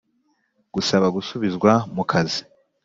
Gusaba gusubizwa mu kazi